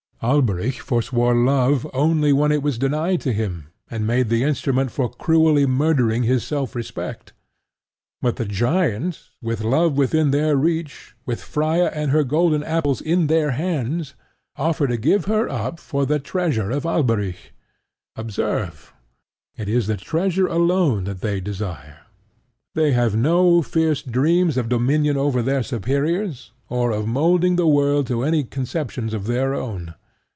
Alberic forswore love only when it was denied to him and made the instrument for cruelly murdering his self respect. But the giants, with love within their reach, with Freia and her golden apples in their hands, offer to give her up for the treasure of Alberic. Observe, it is the treasure alone that they desire. They have no fierce dreams of dominion over their superiors, or of moulding the world to any conceptions of their own.